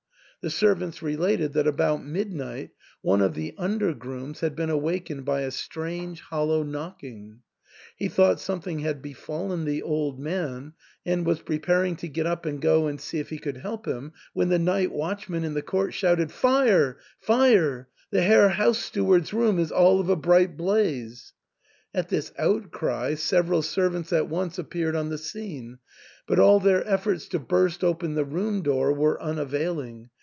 The servants related that THE ENTAIL. 307 about midnight one of the under grooms had been awakened by a strange hollow knocking ; he thought something had befallen the old man, and was preparing to get up and go and see if he could help him, when the night watchman in the court shouted, " Fire ! Fire ! The Herr House Steward's room is all of a bright blaze !" At this outcry several servants at once appeared on the scene ; but all their efforts to burst open the room door were unavailing.